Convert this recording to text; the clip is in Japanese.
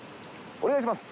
お願いします。